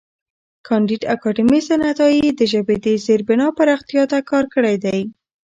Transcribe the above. کانديد اکاډميسن عطايي د ژبې د زېربنا پراختیا ته کار کړی دی.